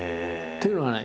というのはね